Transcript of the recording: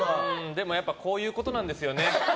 でもやっぱこういうことなんですよね。